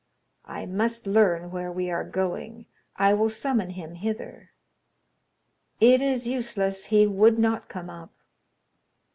"I must learn where we are going. I will summon him hither." "It is useless; he would not come up."